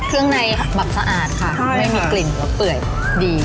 เครื่องในแบบสะอาดค่ะไม่มีกลิ่นหัวเปื่อยดี